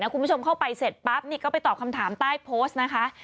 คุณผู้ชมเข้าไปเสร็จปั๊บนี่ก็ไปตอบคำถามใต้โพสต์นะคะ